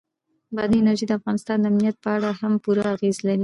بادي انرژي د افغانستان د امنیت په اړه هم پوره اغېز لري.